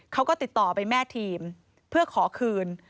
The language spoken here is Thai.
เขาก็ติดต่อไปแม่ทีมเพื่อขอคืน